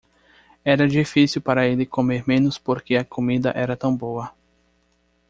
Era difícil para ele comer menos porque a comida era tão boa.